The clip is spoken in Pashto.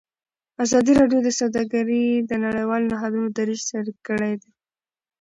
ازادي راډیو د سوداګري د نړیوالو نهادونو دریځ شریک کړی.